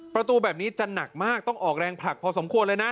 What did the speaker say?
ประตูแบบนี้จะหนักมากต้องออกแรงผลักพอสมควรเลยนะ